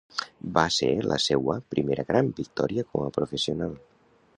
Va ser la seua primera gran victòria com a professional.